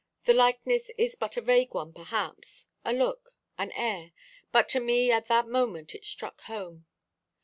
The likeness is but a vague one, perhaps a look, an air; but to me at that moment it struck home.